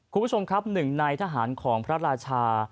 คุณผู้ชมครับหนึ่งในทหารของพระราชา